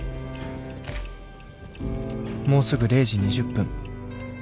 もうすぐ０時２０分。